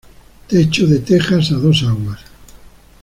Techos de tejas a dos aguas.